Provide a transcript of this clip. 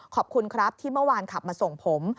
ขอบคุณครับที่เมื่อวานขับมาส่งผม